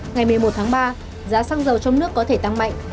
ngày một mươi một tháng ba giá xăng dầu trong nước có thể tăng mạnh